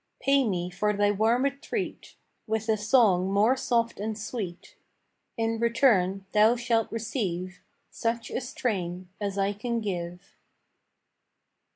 Pay me for thy warm retreat With a song more soft and sweet; In return thou shalt receive Such a strain as I can give.